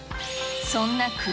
そんな蔵